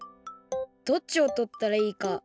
どっちをとったらいいか